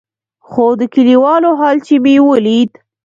خو د کليوالو حال چې مې وليد.